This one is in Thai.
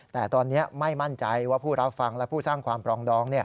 แต่ตอนนี้ไม่มั่นใจว่าผู้รับฟังและผู้สร้างความปรองดอง